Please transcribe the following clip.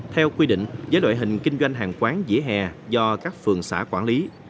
theo quy định giới đội hình kinh doanh hàng quán dễ hè do các phường xã quản lý